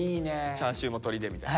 チャーシューも鶏でみたいな。